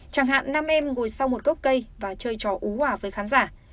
chẳng hạn nam em ngồi sau một gốc cây và chơi trò ú hòa với khán giả